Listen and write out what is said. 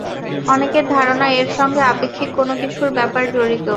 অনেকের ধারণা এর সঙ্গে আপেক্ষিক কোনো কিছুর ব্যাপার জড়িত।